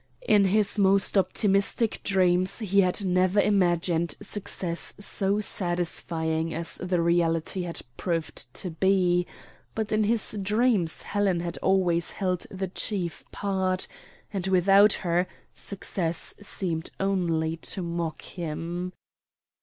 In his most optimistic dreams he had never imagined success so satisfying as the reality had proved to be; but in his dreams Helen had always held the chief part, and without her, success seemed only to mock him.